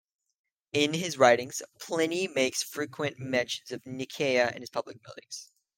In his writings Pliny makes frequent mention of Nicaea and its public buildings.